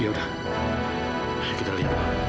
ya udah kita lihat ma